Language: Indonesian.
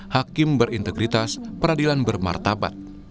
hakim berintegritas peradilan bermartabat